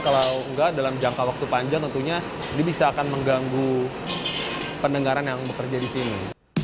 kalau enggak dalam jangka waktu panjang tentunya ini bisa akan mengganggu pendengaran yang bekerja di sini